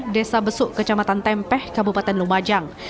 desa besuk kecamatan tempeh kabupaten lumajang